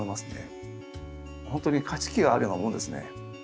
本当に加湿器があるようなものですね。